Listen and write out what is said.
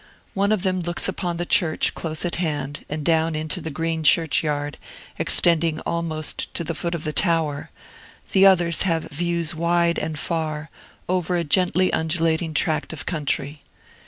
One of them looks upon the church, close at hand, and down into the green churchyard, extending almost to the foot of the tower; the others have views wide and far, over a gently undulating tract of country.